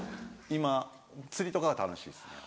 今釣りとかは楽しいですね。